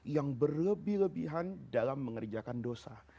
yang berlebihan dalam mengerjakan dosa